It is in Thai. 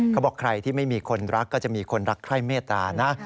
เขาบอกใครที่ไม่มีคนรักก็จะมีคนรักใคร่เมตตานะ